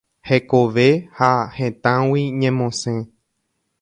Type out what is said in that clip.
Hekove ha hetãgui ñemosẽ.